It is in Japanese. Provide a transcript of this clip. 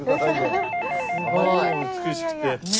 あまりにも美しくて。